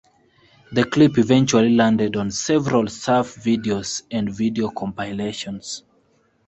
The clip eventually landed on several surf videos and video compilations.